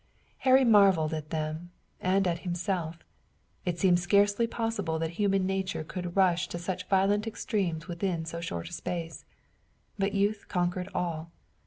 Harry marvelled at them and at himself. It seemed scarcely possible that human nature could rush to such violent extremes within so short a space. But youth conquered all.